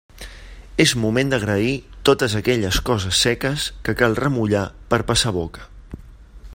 És moment d'agrair totes aquelles coses seques que cal remullar per a passar boca.